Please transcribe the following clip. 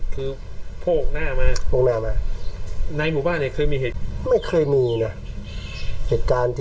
คือโพกหน้ามาโพกหน้ามา